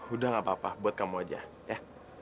udah gak apa apa buat kamu aja ya